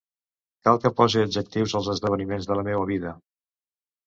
Cal que pose adjectius als esdeveniments de la meua vida.